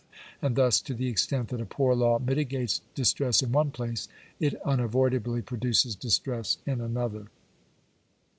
And thus, to the extent that a poor law mitigates distress in one place, it unavoidably produces distress in another.